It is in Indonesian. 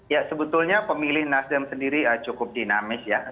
ya sebetulnya pemilih nasdem sendiri cukup dinamis ya